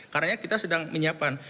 karena kita sedang menyiapkan